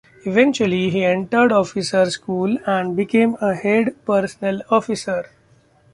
Eventually he entered officer school and became a head personnel officer.